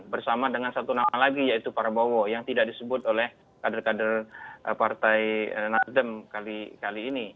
bersama dengan satu nama lagi yaitu prabowo yang tidak disebut oleh kader kader partai nasdem kali ini